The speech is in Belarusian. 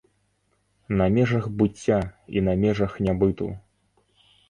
На межах быцця і на межах нябыту.